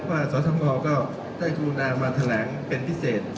เพราะว่าสธรรมฮก็ได้ครูนามาแถลงเป็นพิเศษ